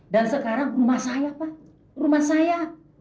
dan sekarang rumah saya pak rumah saya